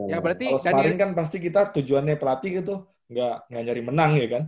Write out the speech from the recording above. kalau sparring kan pasti kita tujuannya pelatih gitu nggak nyari menang ya kan